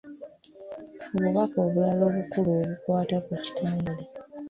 Obubaka obulala obukulu obukwata ku kitongole.